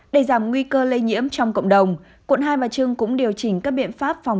để giảm nguy cơ lây nhiễm trong cộng đồng quận hai bà trưng cũng điều chỉnh các biện pháp phòng